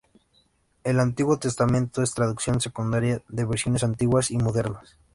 El Antiguo Testamento es traducción secundaria de versiones antiguas y modernas.